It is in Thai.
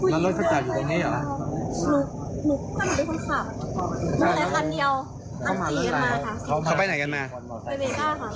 ขี่จักรรมเดิมอย่างงี้